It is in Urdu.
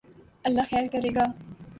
اللہ خیر کرے گا